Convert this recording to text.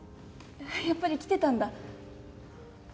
やっぱり来てたんだ。